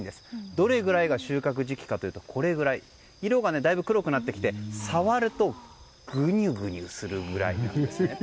どれくらいが収穫時期かというと色がだいぶ黒くなってきて触るとぐにゅぐにゅするぐらい。